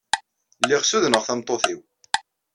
Lliɣ ssuduneɣ tameṭṭut-inu.